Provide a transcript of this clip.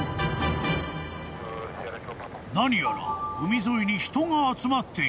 ［何やら海沿いに人が集まっている］